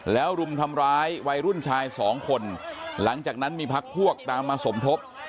แล้วรุมทำร้ายวัยรุ่นชายสองคนหลังจากนั้นมีพักพวกตามมาสมทบ